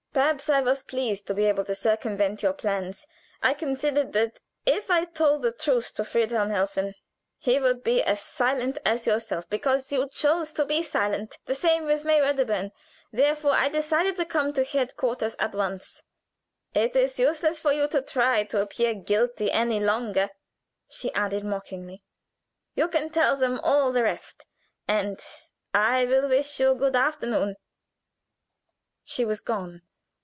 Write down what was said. Perhaps I was pleased to be able to circumvent your plans. I considered that if I told the truth to Friedhelm Helfen he would be as silent as yourself, because you chose to be silent. The same with May Wedderburn, therefore I decided to come to head quarters at once. It is useless for you to try to appear guilty any longer," she added, mockingly. "You can tell them all the rest, and I will wish you good afternoon." She was gone.